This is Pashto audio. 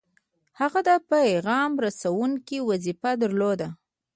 هغه د پیغام رسوونکي وظیفه درلوده.